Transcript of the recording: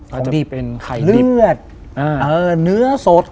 ของดิบเลือดเนื้อสด